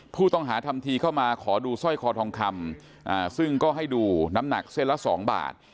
ผู้ต้องหาทำทีเข้ามาขอดูสร้อยคอทองคำซึ่งก็ให้ดูน้ำหนักเส้นละ๒บาท